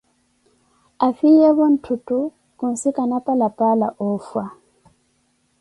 Aafiyeevo ntthutto khusikana Palappala oofha.